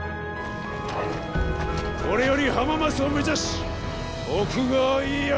これより浜松を目指し徳川家康を討つ！